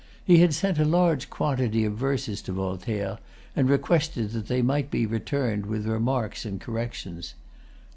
He had sent a large quantity of verses to Voltaire, and requested that they might be returned with remarks and corrections.